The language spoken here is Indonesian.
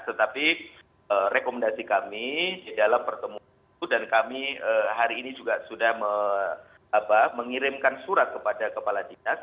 tetapi rekomendasi kami di dalam pertemuan itu dan kami hari ini juga sudah mengirimkan surat kepada kepala dinas